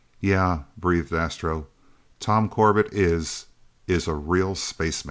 "Yeah," breathed Astro, "Tom Corbett is is a real spaceman!"